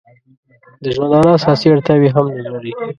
د ژوندانه اساسي اړتیاوې هم نه لري.